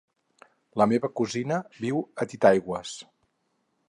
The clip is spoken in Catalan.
La meva cosina viu a Titaigües.